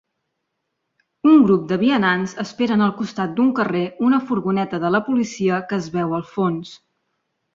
Un grup de vianants esperen al costat d'un carrer una furgoneta de la policia que es veu al fons.